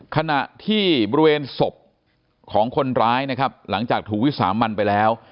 ขณะที่บริเวณศพของคนร้ายนะครับหลังจากถูกวิสามันไปแล้ว